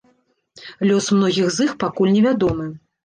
Лёс многіх з іх пакуль невядомы.